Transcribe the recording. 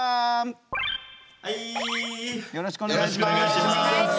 よろしくお願いします。